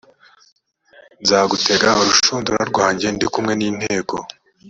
nzagutega urushundura rwanjye ndi kumwe n inteko